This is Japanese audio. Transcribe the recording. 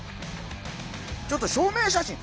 ちょっと証明写真。